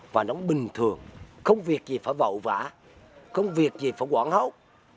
và nó bình thường không việc gì phải vậu vã không việc gì phải quảng hốc